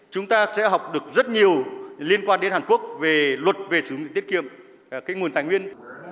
chúng ta sẽ học được rất nhiều liên quan đến hàn quốc về luật về sử dụng tiết kiệm nguồn tài nguyên